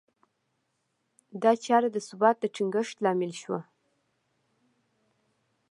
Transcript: دا چاره د ثبات د ټینګښت لامل شوه.